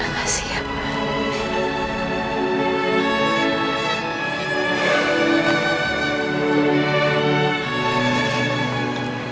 terima kasih ya mama